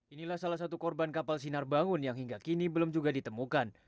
inilah salah satu korban kapal sinar bangun yang hingga kini belum juga ditemukan